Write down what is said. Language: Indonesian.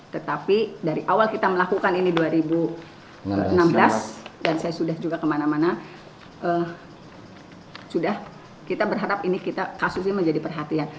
tetapi dari awal kita melakukan ini dua ribu enam belas dan saya sudah juga kemana mana sudah kita berharap ini kita kasusnya menjadi perhatian